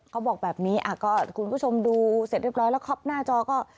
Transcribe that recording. เขาบอกแบบนี้ก็คุณผู้ชมดูเสร็จเรียบร้อยแล้วคอปหน้าจอก็